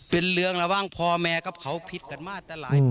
เป็นเรื่องระหว่างพ่อแม่กับเขาผิดกันมาแต่หลายปี